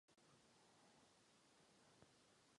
Pod švédskou nadvládou byla výrazně rozšířena místní pevnost.